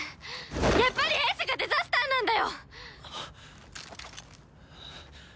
やっぱり英寿がデザスターなんだよ！